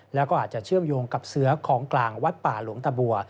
แล้วก็อาจจะเชื่อมโยงกับเสื้อของกลางวัดป่าหลวงตะบัว